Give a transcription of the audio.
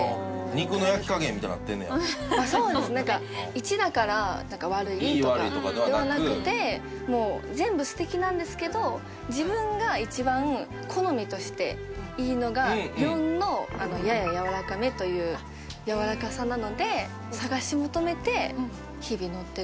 １だから悪いとかではなくてもう全部素敵なんですけど自分が一番好みとしていいのが４のやややわらかめというやわらかさなので探し求めて日々乗ってるという感じです。